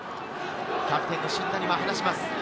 キャプテンの新谷は話します。